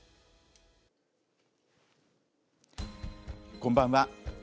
こんばんは。